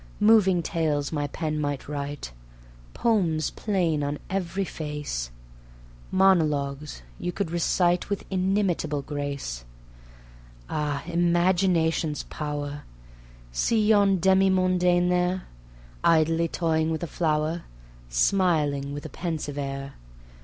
Moving tales my pen might write; Poems plain on every face; Monologues you could recite With inimitable grace. (Ah! Imagination's power) See yon demi mondaine there, Idly toying with a flower, Smiling with a pensive air